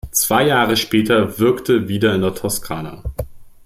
Zwei Jahre später wirkte wieder in der Toskana.